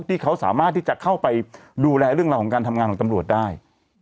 ที่เขาสามารถที่จะเข้าไปดูแลเรื่องราวของการทำงานของตำรวจได้